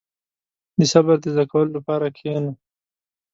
• د صبر د زده کولو لپاره کښېنه.